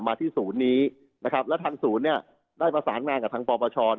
มาที่ศูนย์นี้นะครับและท่านศูนย์ได้ประสารงานกับทางปบช